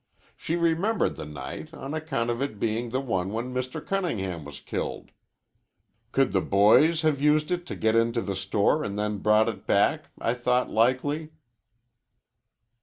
She remembered the night on account of its being the one when Mr. Cunningham was killed. Could the boys have used it to get into the store an' then brought it back? I thought likely."